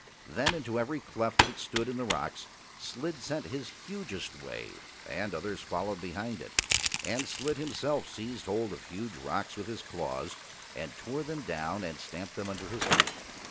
Then into every cleft that stood in the rocks Slid sent his hugest wave and others followed behind it, and Slid himself seized hold of huge rocks with his claws and tore them down and stamped them under his feet.